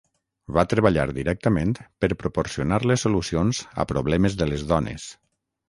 Va treballar directament per proporcionar les solucions a problemes de les dones.